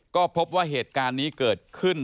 ก็พบว่าเหตุการณ์นี้เกิดขึ้น